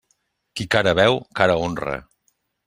Qui cara veu, cara honra.